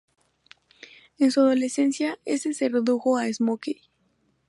En su adolescencia, este se redujo a "Smokey".